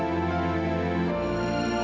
ya makasih ya